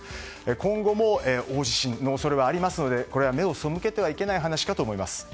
今後も大地震の恐れはありますので、これは目を背けてはいけない話かと思います。